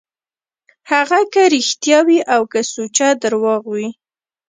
هغه که رښتيا وي او که سوچه درواغ وي.